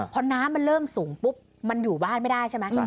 พอน้ำมันเริ่มสูงปุ๊บมันอยู่บ้านไม่ได้ใช่ไหม